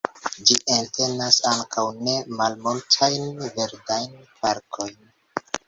Gi entenas ankaŭ ne malmultajn verdajn parkojn.